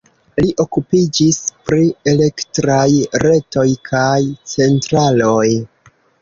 Li okupiĝis pri elektraj retoj kaj centraloj.